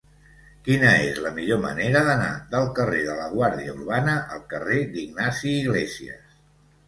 Quina és la millor manera d'anar del carrer de la Guàrdia Urbana al carrer d'Ignasi Iglésias?